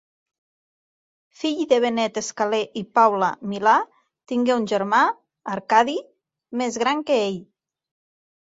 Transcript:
Fill de Benet Escaler i Paula Milà, tingué un germà, Arcadi, més gran que ell.